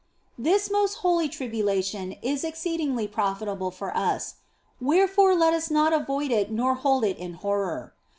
This most holy tribulation is exceeding profitable for us ; wherefore let us not avoid it nor hold it in horror.